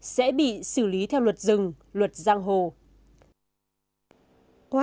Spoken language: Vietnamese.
sẽ bị xử lý theo luật rừng luật giang hồ